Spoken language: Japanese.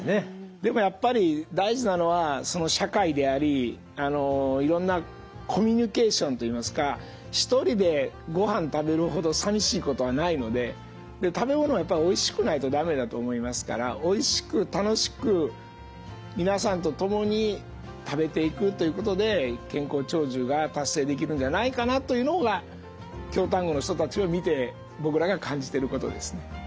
でもやっぱり大事なのは社会でありいろんなコミュニケーションといいますか一人でごはん食べるほど寂しいことはないので食べ物はやっぱりおいしくないと駄目だと思いますからおいしく楽しく皆さんと共に食べていくということで健康長寿が達成できるんじゃないかなというのが京丹後の人たちを見て僕らが感じてることですね。